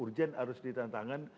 urgen harus ditentangkan